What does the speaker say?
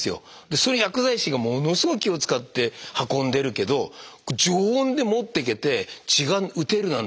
それ薬剤師がものすごい気を遣って運んでるけど常温で持っていけて血が打てるなんて